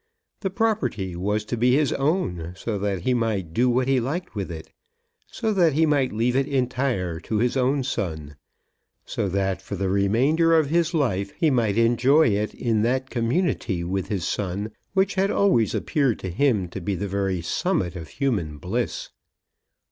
The property was to be his own, so that he might do what he liked with it, so that he might leave it entire to his own son, so that for the remainder of his life he might enjoy it in that community with his son which had always appeared to him to be the very summit of human bliss.